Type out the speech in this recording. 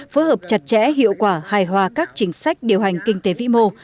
phối hợp chặt chẽ hiệu quả hài hòa các chính sách điều hành kinh tế vĩ mô